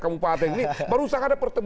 kamupaten ini berusaha ada pertemuan